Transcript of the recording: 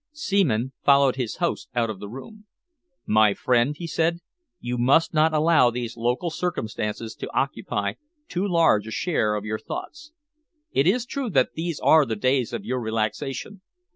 Seaman followed his host out of the room. "My friend," he said, "you must not allow these local circumstances to occupy too large a share of your thoughts. It is true that these are the days of your relaxation.